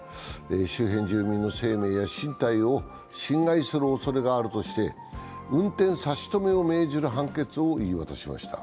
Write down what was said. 周辺住民の生命や身体を侵害するおそれがあるとして運転差し止めを命じる判決を言い渡しました。